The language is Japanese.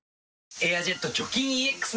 「エアジェット除菌ＥＸ」